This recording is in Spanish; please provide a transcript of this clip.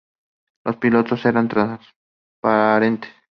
Los pilotos eran transparentes.